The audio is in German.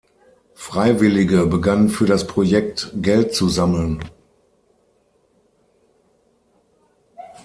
Freiwillige begannen für das Projekt Geld zu sammeln.